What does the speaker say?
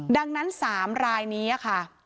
ดังนั้น๓รายนี้ค่ะ